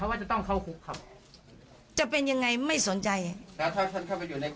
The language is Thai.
แม่ของแม่ชีอู๋ได้รู้ว่าแม่ของแม่ชีอู๋ได้รู้ว่า